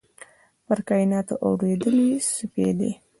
پر کایناتو اوريدلي سپیدې